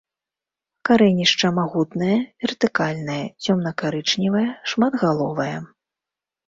Карэнішча магутнае, вертыкальнае, цёмна-карычневае, шматгаловае.